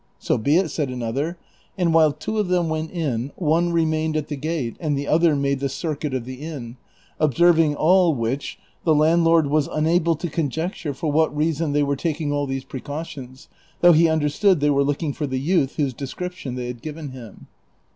" So be it," said another ; and while two of them went in, one remained at the gate and the other made the circuit of the inn ; observing all which, the landlord was unable to conjecture for what reason they were taking all these precautions, though he understood they were looking for the youth whose description they had given him.